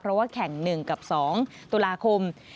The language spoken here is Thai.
เพราะว่าแข่ง๑กับ๒ตุลาคม